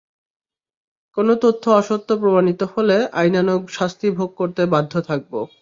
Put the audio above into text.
কোনো তথ্য অসত্য প্রমাণিত হলে আইনানুগ শাস্তি ভোগ করতে বাধ্য থাকব।